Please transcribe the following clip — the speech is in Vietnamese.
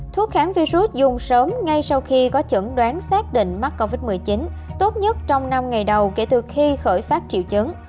thuốc kháng virus dùng sớm ngay sau khi có chẩn đoán xác định mắc covid một mươi chín tốt nhất trong năm ngày đầu kể từ khi khởi phát triệu chứng